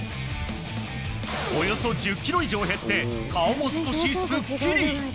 およそ１０ｋｇ以上減って顔も少しすっきり。